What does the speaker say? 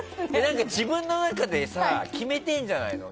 自分の中で決めてんじゃないの。